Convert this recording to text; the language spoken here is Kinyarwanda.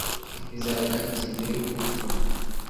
Bizareka igihe mbere yuko ubikora